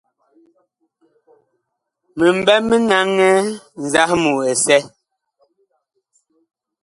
Mi mɓɛ mi naŋɛ nzahmu ɛsɛ.